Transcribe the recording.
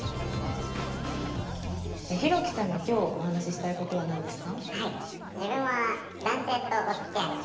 ヒロキさんが今日お話ししたいことは何ですか？